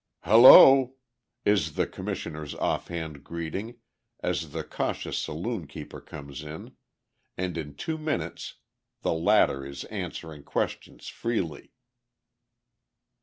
"Hullo!" is the Commissioner's off hand greeting as the cautious saloon keeper comes in, and in two minutes the latter is answering questions freely.